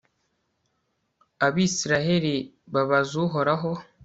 abayisraheli babaza uhoraho